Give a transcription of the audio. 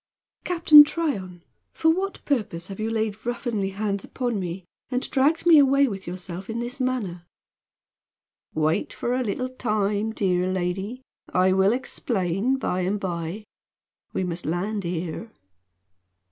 "Captain Tryon, for what purpose have you laid ruffianly hands upon me and dragged me away with yourself in this manner?" "Wait for a little time, dear lady. I will explain by and by. We must land here."